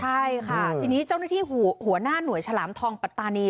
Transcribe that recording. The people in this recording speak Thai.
ใช่ค่ะทีนี้เจ้าหน้าที่หัวหน้าหน่วยฉลามทองปัตตานี